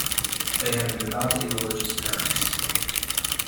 They have devoutly religious parents.